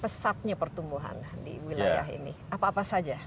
pesatnya pertumbuhan di wilayah ini apa apa saja